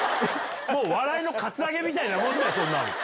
もう笑いのカツアゲみたいなもんだよ、そんなの。